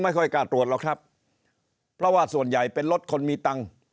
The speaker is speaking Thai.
ค่อยกล้าตรวจหรอกครับเพราะว่าส่วนใหญ่เป็นรถคนมีตังค์